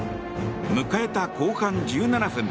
迎えた後半１７分。